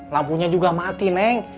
lampunya juga mati neng